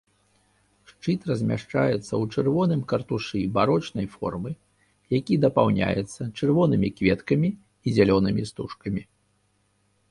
Шчыт размяшчаецца ў чырвоным картушы барочнай формы, які дапаўняецца чырвонымі кветкамі і зялёнымі стужкамі.